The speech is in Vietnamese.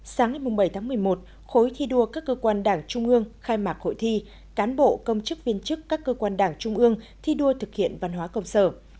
sáng ngày bảy tháng một mươi một khối thi đua các cơ quan đảng trung ương khai mạc hội thi cán bộ công chức viên chức các cơ quan đảng trung ương thi đua thực hiện văn hóa công sở